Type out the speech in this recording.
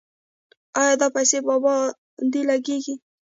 آیا دا پیسې په ابادۍ لګیږي؟